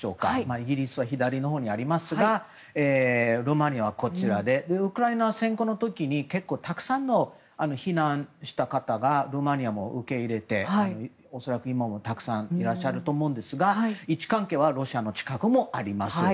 イギリスは左のほうにありますがルーマニアはこちらでウクライナ侵攻の時に結構たくさん避難した方をルーマニアに受け入れて恐らく、今もたくさんいらっしゃると思うんですが位置関係はロシアの近くでもあります。